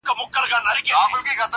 په غیرت مو لاندي کړي وه ملکونه٫